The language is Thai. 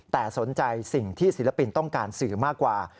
แต่สนใจสิ่งที่ศิลปินต้องการสื่อมากกว่า